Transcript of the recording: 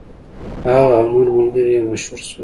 هغه او نور ملګري یې مشهور شول.